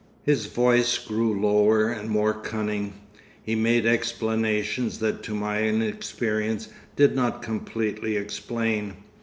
His voice grew lower and more cunning. He made explanations that to my inexperience did not completely explain.